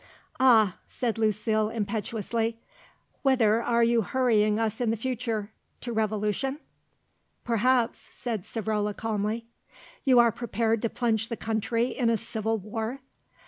"Ah," said Lucile impetuously, "whither are you hurrying us in the future, to revolution?" "Perhaps," said Savrola calmly. "You are prepared to plunge the country in a civil war?"